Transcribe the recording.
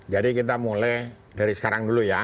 jadi kita mulai dari sekarang dulu ya